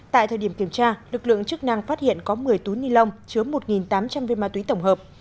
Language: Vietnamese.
tại thời điểm kiểm tra lực lượng chức năng phát hiện có một mươi túi ni lông chứa một tám trăm linh viên ma túy tổng hợp